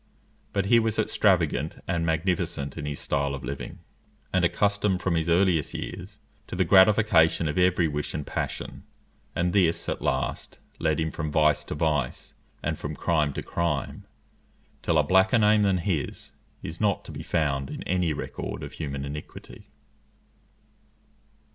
But he was extravagant and magnificent in his style of living, and accustomed from his earliest years to the gratification of every wish and passion; and this, at last, led him from vice to vice and from crime to crime, till a blacker name than his is not to be found in any record of human iniquity.